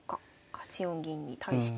８四銀に対して。